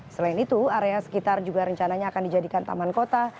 selain itu area sekitar juga rencananya akan dijadikan taman kota